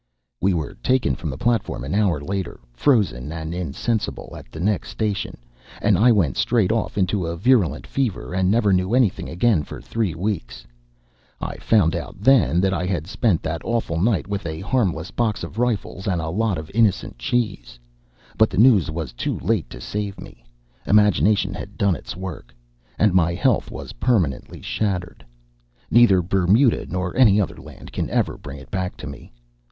We were taken from the platform an hour later, frozen and insensible, at the next station, and I went straight off into a virulent fever, and never knew anything again for three weeks. I found out, then, that I had spent that awful night with a harmless box of rifles and a lot of innocent cheese; but the news was too late to save me; imagination had done its work, and my health was permanently shattered; neither Bermuda nor any other land can ever bring it back tome.